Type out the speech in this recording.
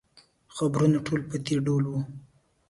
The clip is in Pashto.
خبرونه ټول په دې ډول وو.